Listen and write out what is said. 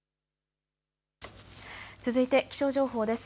続いて気象情報です。